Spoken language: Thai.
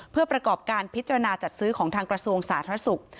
เพื่อประกอบการพิจารณาจัดซื้อของทางกระทรวงสาธารณสุข